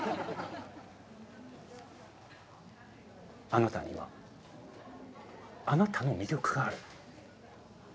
あなたにはあなたの魅力がある。